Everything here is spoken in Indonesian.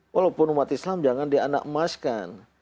walaupun umat islam jangan dianakmaskan